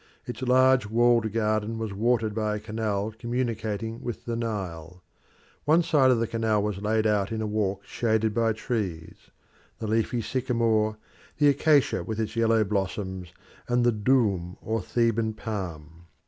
Its large walled garden was watered by a canal communicating with the Nile. One side of the canal was laid out in a walk shaded by trees the leafy sycamore, the acacia with its yellow blossoms, and the doum or Theban palm.